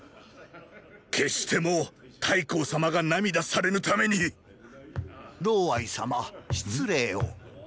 決してもう太后様が涙されぬために様失礼を。